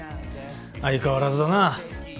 相変わらずだな。